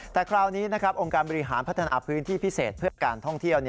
แต่คราวนี้องค์การบริหารพัฒนาพื้นที่พิเศษเพื่อการท่องเที่ยว